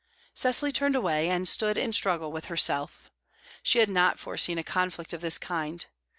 Cecily turned away, and stood in struggle with herself. She had not foreseen a conflict of this kind.